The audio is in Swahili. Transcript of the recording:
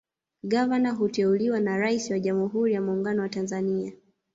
Gavana huteuliwa na Rais wa Jamhuri ya Mungano wa Tanzania